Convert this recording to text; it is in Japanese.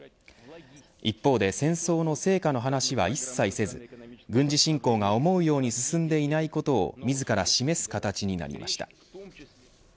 一方で戦争の成果の話は一切せず軍事侵攻が思うように進んでいないことを自ら示す形になりました。